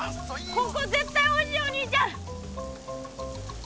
ここぜったいおいしいよお兄ちゃん！